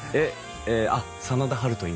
真田ハルといいます。